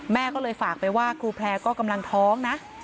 แม่ก็เลยฝากไปว่าครูแพร่ก็กำลังท้องนะ